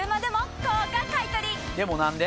でも何で？